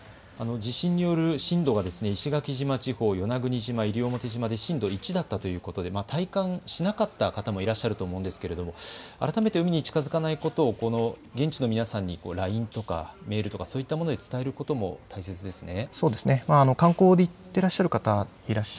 地震による震度が石垣島地方、与那国島、西表島で震度１だったということで体感しなかった方もいらっしゃると思うのですが、改めて海に近づかないということを現地の皆さんにＬＩＮＥ、メール、そういったもので伝えるのが大切ですね。